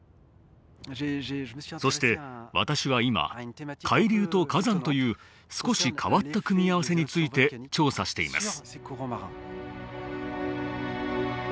そして私は今海流と火山という少し変わった組み合わせについて調査しています。